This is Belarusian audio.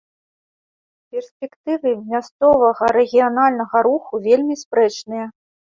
Перспектывы мясцовага рэгіянальнага руху вельмі спрэчныя.